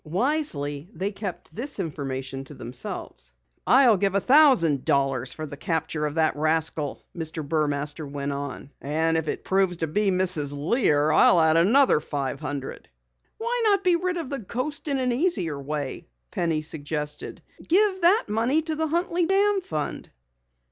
Wisely they kept the knowledge to themselves. "I'll give a thousand dollars for the capture of that rascal!" Mr. Burmaster went on. "And if it proves to be Mrs. Lear I'll add another five hundred." "Why, not be rid of the Ghost in an easier way?" Penny suggested. "Give the money to the Huntley Dam Fund."